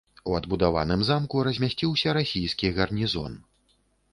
У адбудаваным замку размясціўся расійскі гарнізон.